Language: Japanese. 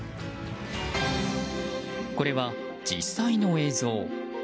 これは、実際の映像。